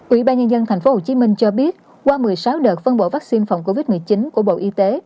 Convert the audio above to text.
ủy ban nhân dân tp hcm cho biết qua một mươi sáu đợt phân bổ vaccine phòng covid một mươi chín của bộ y tế